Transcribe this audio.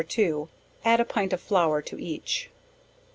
2. add a pint flour to each.